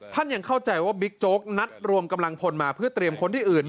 ยังเข้าใจว่าบิ๊กโจ๊กนัดรวมกำลังพลมาเพื่อเตรียมคนที่อื่น